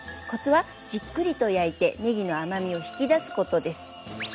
コツはじっくりと焼いてねぎの甘みを引き出すことです。